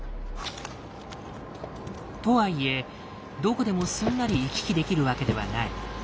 とはいえどこでもすんなり行き来できるわけではない。